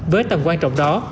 với tầm quan trọng đó